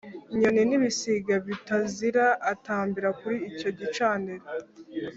Nyoni n ibisiga bitazira atambira kuri icyo gicaniro